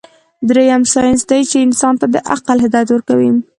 دريم سائنس دے چې انسان ته د عقل هدايت ورکوي